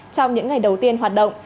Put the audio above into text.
trong những ngày đầu tiên hoạt động